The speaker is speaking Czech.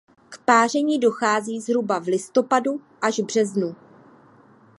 K páření dochází zhruba v listopadu až březnu.